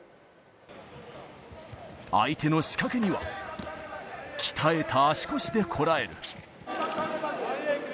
相手の仕掛けには、鍛えた足腰でこらえる。